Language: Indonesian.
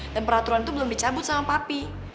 dan peraturan tuh belum dicabut sama papi